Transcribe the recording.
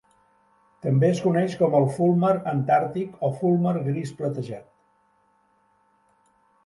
També es coneix com el fulmar antàrtic o fulmar gris platejat.